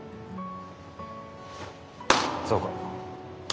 そうか。